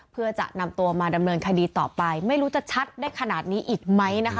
เพื่อจะนำตัวมาดำเนินคดีต่อไปไม่รู้จะชัดได้ขนาดนี้อีกไหมนะคะ